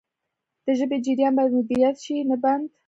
د ژبې جریان باید مدیریت شي نه بند.